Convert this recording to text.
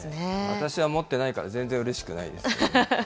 私は持ってないから全然うれしくないです。